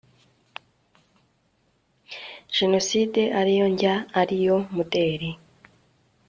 genocide aliyo njya ,aliyo mudeli